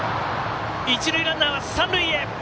一塁ランナー、三塁へ。